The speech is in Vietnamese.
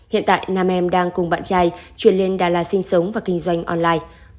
hiện tại nam em đang cùng bạn trai chuyển lên đà lạt sinh sống và kinh doanh online